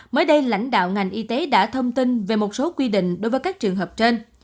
mới đây lãnh đạo ngành y tế đã thông tin về một số quy định đối với các trường hợp trên